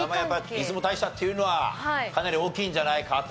出雲大社っていうのはかなり大きいんじゃないかと。